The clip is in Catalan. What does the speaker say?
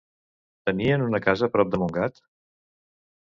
Tenien una casa prop de Montgat?